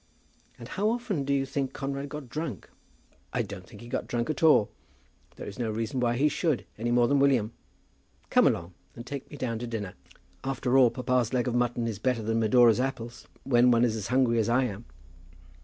'" "And how often do you think Conrad got drunk?" "I don't think he got drunk at all. There is no reason why he should, any more than William. Come along, and take me down to dinner. After all, papa's leg of mutton is better than Medora's apples, when one is as hungry as I am."